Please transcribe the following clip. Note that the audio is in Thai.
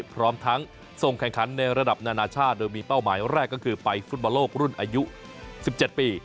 พร้อมทั้งส่งแข่งขันในระดับนานาชาติโดยมีเป้าหมายแรกก็คือไปฟุตบอลโลกรุ่นอายุ๑๗ปี